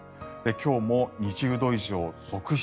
今日も２０度以上続出。